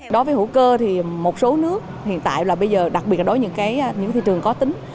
đối với hữu cơ thì một số nước hiện tại là bây giờ đặc biệt là đối với những thị trường có tính